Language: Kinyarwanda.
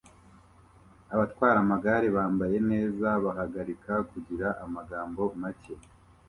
Abatwara amagare bambaye neza bahagarika kugira amagambo make